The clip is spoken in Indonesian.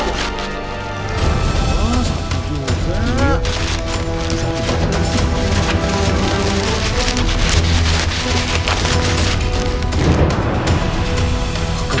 oh satu juga